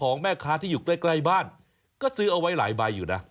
โอ้โหโตใจค่ะ